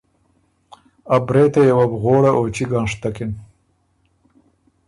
ا برېتئ یه وه بو غوړه او چِګ هنشتکِن۔